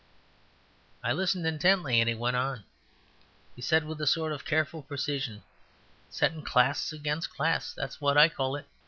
I listened intently, and he went on. He said with a sort of careful precision, "Settin' class against class; that's what I call it.